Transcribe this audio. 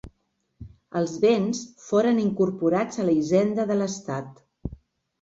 Els béns foren incorporats a la hisenda de l'Estat.